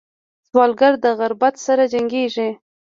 سوالګر د غربت سره جنګېږي